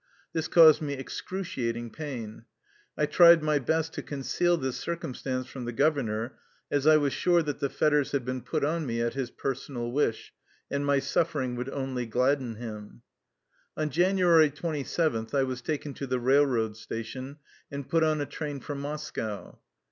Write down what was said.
This caused me excruciating pain. I tried my best to conceal this circumstance from the governor, as I was sure that the fetters had been put on me at his personal wish, and my suffering would only gladden him. On January 27th I was taken to the railr'oad station and put on a train for Moscow.